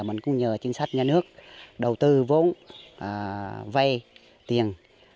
mình cũng nhờ chính sách nhà nước đầu tư vốn vay tiền